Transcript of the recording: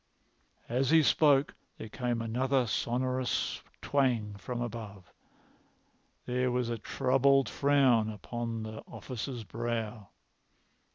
As he spoke there came another sonorous twang from above. There was a troubled frown upon the officer's brow.